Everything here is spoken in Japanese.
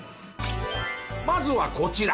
まずはこちら。